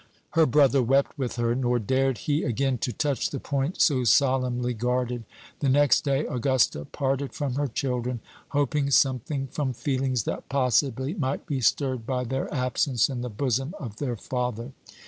Her brother wept with her; nor dared he again to touch the point so solemnly guarded. The next day Augusta parted from her children, hoping something from feelings that, possibly, might be stirred by their absence in the bosom of their father.